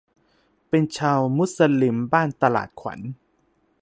เป็นชาวมุลิมบ้านตลาดขวัญ